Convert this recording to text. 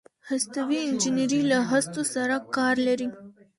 هستوي انجنیری له هستو سره کار لري.